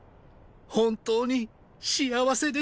本当に幸せでした。